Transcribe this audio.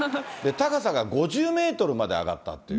高さが５０メートルまで上がったっていう。